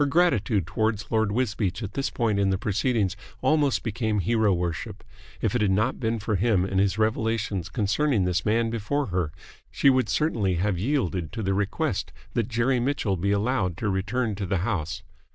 Her gratitude towards Lord Wisbeach at this point in the proceedings almost became hero worship. If it had not been for him and his revelations concerning this man before her, she would certainly have yielded to the request that Jerry Mitchell be allowed to return to the house.